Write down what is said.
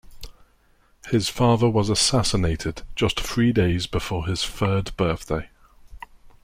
His father was assassinated, just three days before his third birthday.